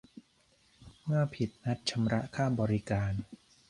เมื่อผิดนัดชำระค่าบริการ